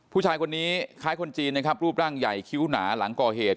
ผู้ชายคนนี้คล้ายคนจีนรูปร่างใหญ่คิ้วหนาหลังกรเหด